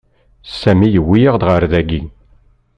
Sami yewwi-yaɣ-d ar dagi.